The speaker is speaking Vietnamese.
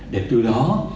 để từ đó